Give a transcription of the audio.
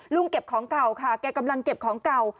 เก็บของเก่าค่ะแกกำลังเก็บของเก่า